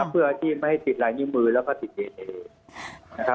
เพื่อที่ไม่ให้ติดลายนิ่มมือแล้วก็ติดเหล็ก